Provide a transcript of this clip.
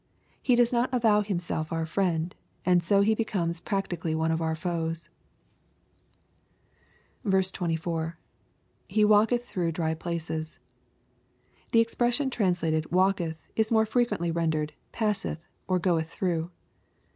He does not avov7 himself ooi fiiend, and so he becomes practically one of our foes. 24. — [He wdlketh through dry places.] The expression translated "walketh," is more frequently rendered, "passeth, or goeth through."